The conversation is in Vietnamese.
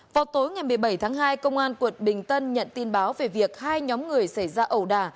vào tối ngày một mươi bảy tháng hai công an quận bình tân nhận tin báo về việc hai nhóm người xảy ra ẩu đà